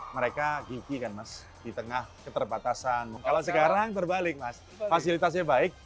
mereka gigi kan mas di tengah keterbatasan kalau sekarang terbalik mas fasilitasnya baik